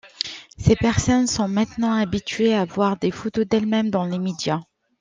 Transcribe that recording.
Ces personnes sont maintenant habituées à voir des photos d'elles-mêmes dans les médias.